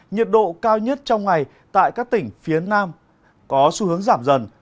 nhiệt độ cao nhất trong ngày tại các tỉnh phía nam có xu hướng giảm dần